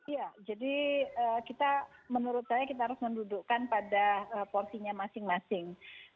ya jadi kita menurut saya kita harus mendudukkan pada porsinya masing masing